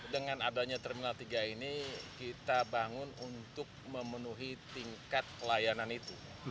dengan adanya terminal tiga ini kita bangun untuk memenuhi tingkat pelayanan itu